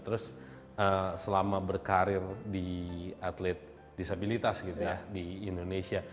terus selama berkarir di atlet disabilitas